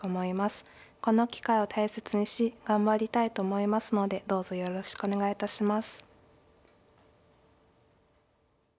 この機会を大切にし頑張りたいと思いますのでどうぞよろしくお願いいたします。